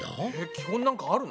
基本なんかあるの？